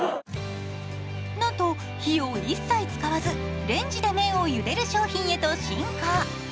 なんと火を一切使わずレンジで麺をゆでる商品に進化。